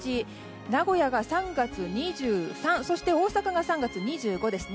名古屋が３月２３日そして大阪が３月２５日ですね。